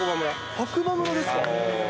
白馬村ですか。